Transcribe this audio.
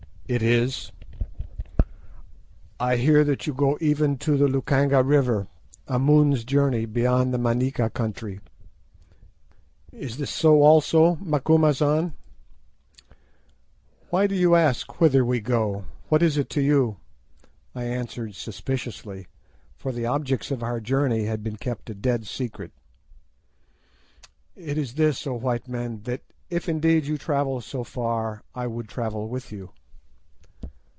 "It is." "I hear that you go even to the Lukanga River, a moon's journey beyond the Manica country. Is this so also, 'Macumazahn?'" "Why do you ask whither we go? What is it to you?" I answered suspiciously, for the objects of our journey had been kept a dead secret. "It is this, O white men, that if indeed you travel so far I would travel with you."